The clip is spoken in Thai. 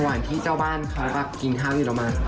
ระหว่างที่เจ้าบ้านเขากินข้าวนิดหน่อยมา